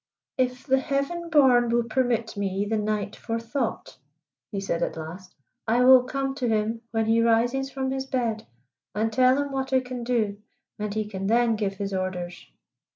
"If the Heaven born will permit me the night for thought," he said at last, "I will come to him when he rises from his bed and tell him what I can do, and he can then give his orders."